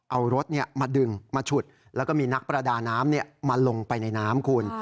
เอารถเนี่ยมันดึงมันฉุดแล้วก็มีนักปรดาน้ำเนี่ยมาลงไปในน้ำคุณ